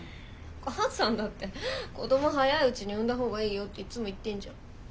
お母さんだって子ども早いうちに産んだ方がいいよっていつも言ってんじゃん。